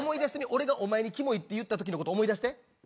俺がお前にキモいって言ったときのこと思い出して。